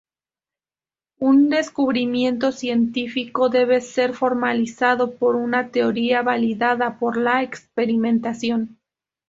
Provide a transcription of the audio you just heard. Un descubrimiento científico debe ser formalizado por una teoría validada por la experimentación.